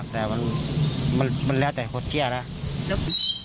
แต่มันแล้วแต่หดเชื่อนะ